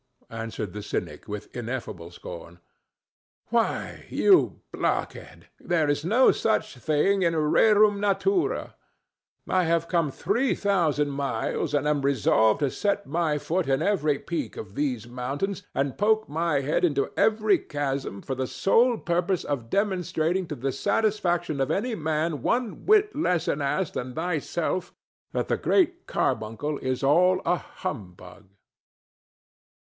answered the cynic, with ineffable scorn. "Why, you blockhead, there is no such thing in rerum naturâ. I have come three thousand miles, and am resolved to set my foot on every peak of these mountains and poke my head into every chasm for the sole purpose of demonstrating to the satisfaction of any man one whit less an ass than thyself that the Great Carbuncle is all a humbug."